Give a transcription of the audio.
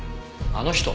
あの人？